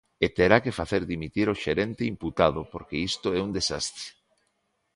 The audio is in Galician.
E terá que facer dimitir ao xerente imputado porque isto é un desastre.